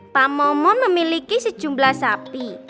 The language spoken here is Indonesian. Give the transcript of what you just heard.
pak momo memiliki sejumlah sapi